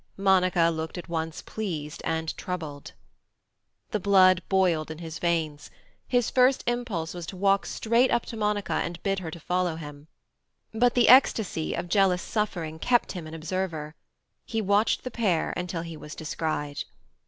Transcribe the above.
Monica looked at once pleased and troubled. The blood boiled in his veins. His first impulse was to walk straight up to Monica and bid her follow him. But the ecstasy of jealous suffering kept him an observer. He watched the pair until he was descried.